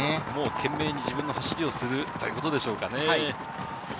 懸命に自分の走りをするということでしょうね。